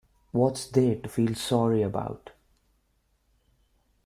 What's there to feel sorry about?